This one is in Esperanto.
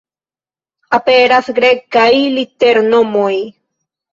Aperas Grekaj liternomoj.